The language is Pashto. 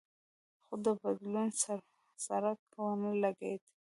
خو د بدلون څرک ونه لګېد.